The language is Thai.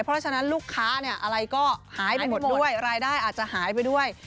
เพราะฉะนั้นลูกค้าเนี่ยอะไรก็หายไปหมดด้วยรายได้อาจจะหายไปด้วย